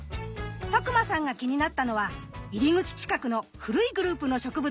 佐久間さんが気になったのは入り口近くの古いグループの植物でした。